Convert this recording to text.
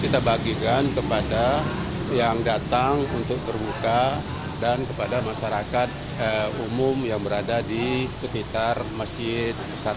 kita bagikan kepada yang datang untuk berbuka dan kepada masyarakat umum yang berada di sekitar masjid satu